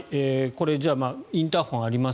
インターホンあります